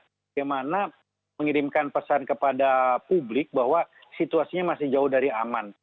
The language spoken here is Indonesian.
bagaimana mengirimkan pesan kepada publik bahwa situasinya masih jauh dari aman